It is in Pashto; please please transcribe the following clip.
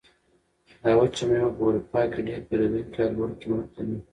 دا وچه مېوه په اروپا کې ډېر پېرودونکي او لوړ قیمت لري.